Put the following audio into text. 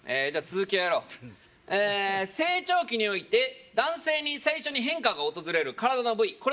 じゃあ続きをやろう成長期において男性に最初に変化がおとずれる体の部位